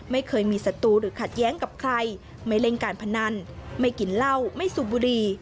ไม่เคยมีศัตรูหรือขัดแย้งกับใครไม่เล่นการพนันไม่กินเหล้าไม่สูบบุรี